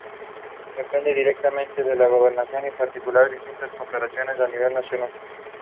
It was considered one of the worst British sitcoms ever made.